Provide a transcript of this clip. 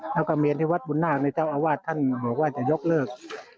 แล้วก็เมนที่วัดบุญนาคในเจ้าอาวาสท่านบอกว่าจะยกเลิก